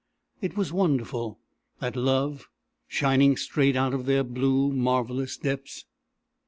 It was wonderful, that love shining straight out of their blue, marvellous depths!